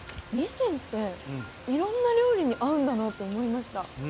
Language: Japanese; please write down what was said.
ニシンっていろんな料理に合うんだなって思いました。